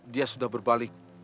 dia sudah berbalik